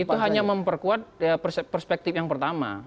itu hanya memperkuat perspektif yang pertama